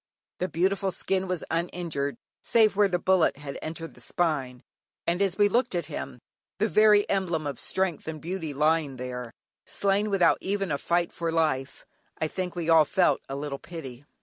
The beautiful skin was uninjured, save where the bullet had entered the spine, and as we looked at him, the very emblem of strength and beauty lying there, slain without even a fight for life, I think we all felt a little pity.